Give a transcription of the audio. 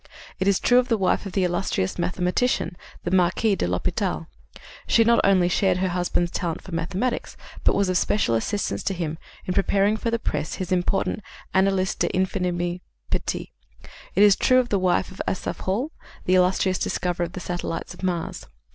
It is true of the wife of the illustrious mathematician, the Marquis de l'Hôpital. She not only shared her husband's talent for mathematics, but was of special assistance to him in preparing for the press his important Analyse des Infiniment Petits. It is true of the wife of Asaph Hall, the illustrious discoverer of the satellites of Mars.